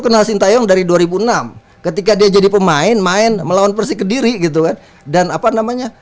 kenal sintayong dari dua ribu enam ketika dia jadi pemain main melawan persik kediri gitu kan dan apa namanya